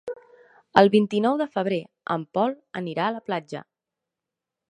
El vint-i-nou de febrer en Pol anirà a la platja.